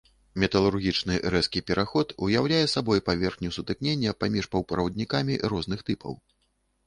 Металургічны рэзкі пераход уяўляе сабой паверхню сутыкнення паміж паўправаднікамі розных тыпаў.